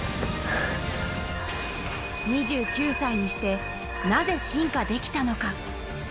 ２９歳にして、なぜ進化できたのか。